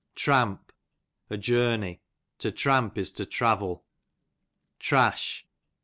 Tramp, a journey, to tramp is to travel. Tx&sh.